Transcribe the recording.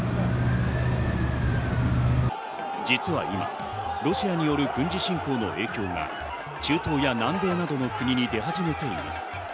実は今、ロシアによる軍事侵攻の影響が中東や南米などの国に出始めています。